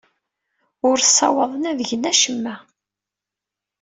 Ur ssawaḍen ad gen acemma.